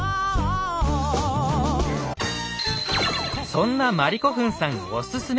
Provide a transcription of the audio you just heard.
そんなまりこふんさんおすすめ！